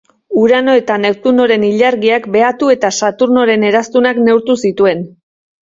Urano eta Neptunoren ilargiak behatu eta Saturnoren eraztunak neurtu zituen.